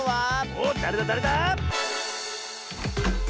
おっだれだだれだ？